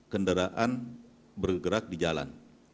kendaraan bergerak di jalan